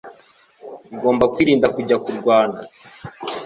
ugomba kwirinda kujya kurwana